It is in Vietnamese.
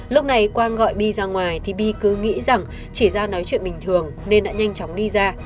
lúc này quang gọi đi ra ngoài thì bi cứ nghĩ rằng chỉ ra nói chuyện bình thường nên đã nhanh chóng đi ra